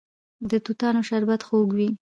د توتانو شربت خوږ وي.